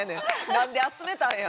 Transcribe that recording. なんで集めたんや。